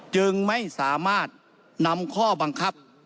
จึงไม่สามารถนำข้อบังคับ